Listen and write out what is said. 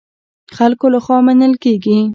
خلکو له خوا منل کېږي.